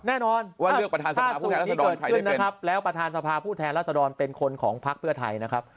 แน่นอนถ้าสูตรนี้เกิดขึ้นนะครับแล้วประธานสภาผู้แทนรัศดรเป็นคนของภาคเพื่อไทยนะครับ